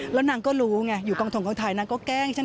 แล้วนางก็รู้ไงอยู่กองทงกองไทยนางก็แกล้งฉัน